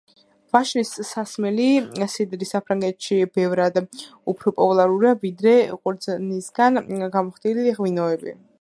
ვაშლის სასმელი სიდრი საფრანგეთში ბევრად უფრო პოპულარულია, ვიდრე ყურძნისგან გამოხდილი ღვინოები.